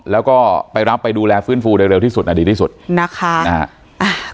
แล้วก็ไปรับไปดูแลฟื้นฟูโดยเร็วที่สุดอ่ะดีที่สุดนะคะนะฮะ